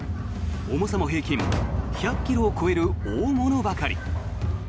重さも平均１００ｋｇを超える大物ばかり。